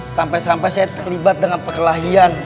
sampai sampai saya terlibat dengan perkelahian